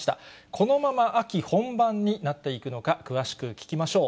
このまま秋本番になっていくのか、詳しく聞きましょう。